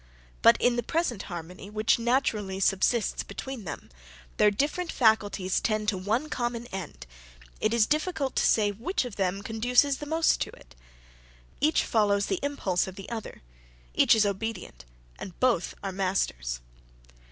But in the present harmony which naturally subsists between them, their different faculties tend to one common end; it is difficult to say which of them conduces the most to it: each follows the impulse of the other; each is obedient, and both are masters."